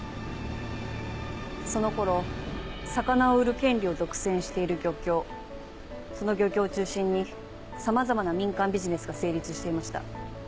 その頃魚を売る権利を独占している漁協その漁協を中心にさまざまな民間ビジネスが成立していました。